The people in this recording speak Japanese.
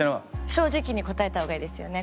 正直に答えた方がいいですよね？